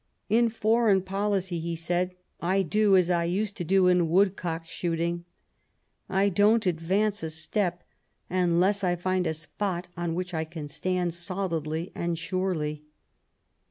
" In foreign policy," he said, "I do as I used to do in woodcock shooting : I don't advance a step unless I find a spot on which I can stand solidly and surely."